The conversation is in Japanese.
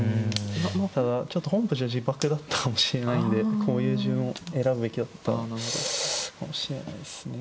ただちょっと本譜じゃ自爆だったかもしれないんでこういう順を選ぶべきだったのかもしれないですね。